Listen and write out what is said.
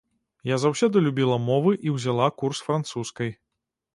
Я заўсёды любіла мовы і ўзяла курс французскай.